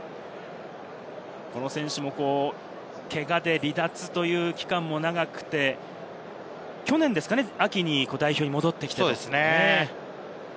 この選手も、けがで離脱という期間が長くて、去年ですか、秋に代表に戻ってきました。